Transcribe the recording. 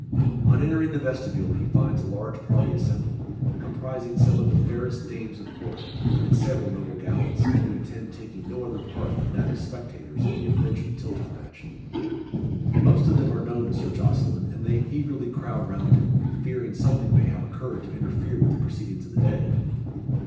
On entering the vestibule he finds a large party assembled, comprising some of the fairest dames of court, and several noble gallants, who intend taking no other part than that of spectators in the approaching tilting match. Most of them are known to Sir Jocelyn, and they eagerly crowd round him, fearing something may have occurred to interfere with the proceedings of the day.